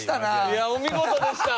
いやお見事でした！